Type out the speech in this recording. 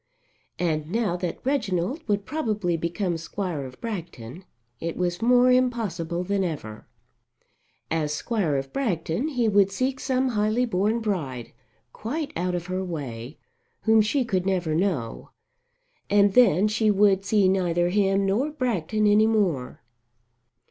And now that Reginald would probably become Squire of Bragton it was more impossible than ever. As Squire of Bragton he would seek some highly born bride, quite out of her way, whom she could never know. And then she would see neither him nor Bragton any more.